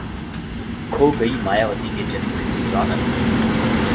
खो गई मायावती के जन्मदिन की रौनक